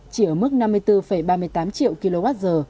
chỉ ở mức năm mươi bốn ba mươi tám triệu kwh